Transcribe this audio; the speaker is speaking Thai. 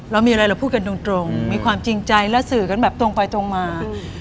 เรามีอะไรเราพูดกันตรงมีความจริงใจและสื่อกันแบบตรงไปตรงมา